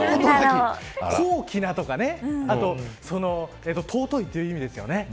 高貴なとか尊いという意味ですよね。